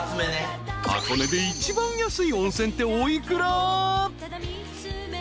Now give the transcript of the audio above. ［箱根で一番安い温泉ってお幾ら？］